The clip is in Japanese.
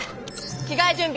着替え準備！